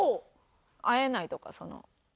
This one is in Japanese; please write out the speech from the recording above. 「会えない」とかその。